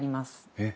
えっ。